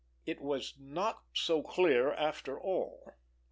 It was not so clear after all!